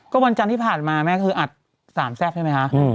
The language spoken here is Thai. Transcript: ก็วันจันทร์ที่ผ่านมาแม่คืออัดสามแซ่บใช่ไหมคะ